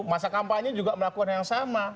masa kampanye juga melakukan yang sama